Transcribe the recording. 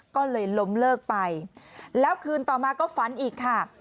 ก็เลยล้มเลิกไปแล้วคืนต่อมาก็ฝันอีกค่ะ